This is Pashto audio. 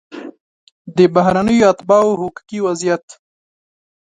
د بهرنیو اتباعو حقوقي وضعیت